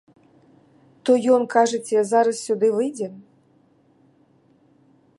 То ён, кажаце, зараз сюды выйдзе.